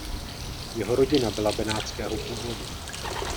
Jeho rodina byla benátského původu.